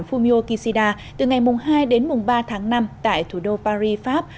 fumio kishida từ ngày hai đến mùng ba tháng năm tại thủ đô paris pháp